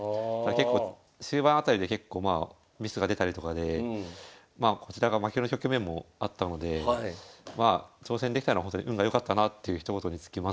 結構終盤辺りで結構まあミスが出たりとかでこちらが負ける局面もあったので挑戦できたのはほんとに運が良かったなというひと言に尽きますね。